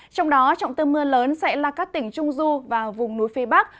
trong đó trọng tâm mưa lớn sẽ là các tỉnh trung du và vùng núi phía bắc